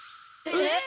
えっ！？